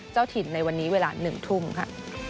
เจ้าถิ่นในวันนี้เวลา๑ทุ่มค่ะ